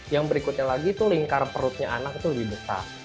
yang berikutnya lagi tuh lingkar perutnya anak itu lebih besar